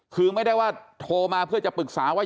คือไม่ได้ว่าโทรมาเพื่อจะปรึกษาว่า